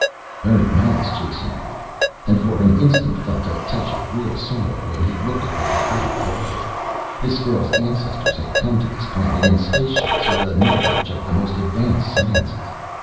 "Very nice," Jason agreed, and for an instant felt a touch of real sorrow when he looked at the pathetic bauble. This girl's ancestors had come to this planet in spaceships with a knowledge of the most advanced sciences.